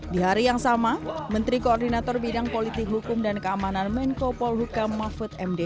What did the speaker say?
di hari yang sama menteri koordinator bidang politik hukum dan keamanan menko polhukam mahfud md